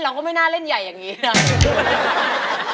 เราก็ไม่น่าเล่นใหญ่อย่างนี้หรอก